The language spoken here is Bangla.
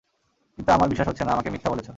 কিন্তু আমার বিশ্বাস হচ্ছে না আমাকে মিথ্যা বলেছ?